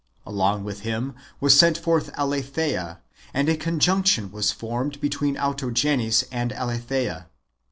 Along with him was sent forth Aletheia, and a conjunction was formed between Auto genes and Aletheia.